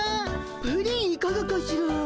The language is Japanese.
プリンいかがかしら？